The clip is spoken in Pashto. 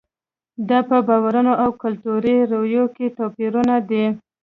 دا په باورونو او کلتوري رویو کې توپیرونه دي.